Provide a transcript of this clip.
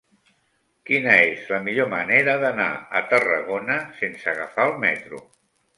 Quina és la millor manera d'anar a Tarragona sense agafar el metro?